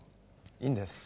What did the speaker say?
いいんです。